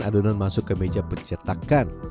adonan masuk ke meja pencetakan